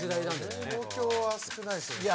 東京は少ないっすよね。